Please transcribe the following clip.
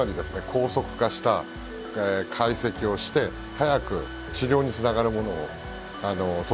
高速化した解析をして早く治療につながるものを届けたいと。